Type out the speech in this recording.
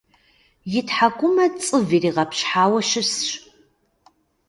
И тхьэкӀумэ цӀыв иригъэпщхьауэ щысщ.